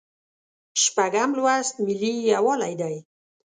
شپږم لوست ملي یووالی دی.